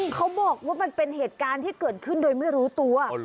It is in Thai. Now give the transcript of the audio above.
เขาบอกว่ามันเป็นเหตุการณ์ที่เกิดขึ้นโดยไม่รู้ตัว